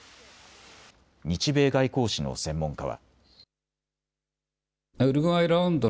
日米外交史の専門家は。